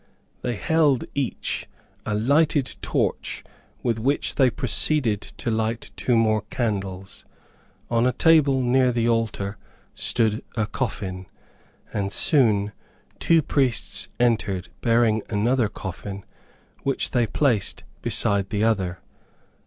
They held, each, a lighted torch with which they proceeded to light two more candles. On a table near the altar, stood a coffin, and soon two priests entered, bearing another coffin, which they placed beside the other.